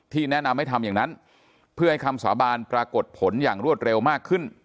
แนะนำให้ทำอย่างนั้นเพื่อให้คำสาบานปรากฏผลอย่างรวดเร็วมากขึ้น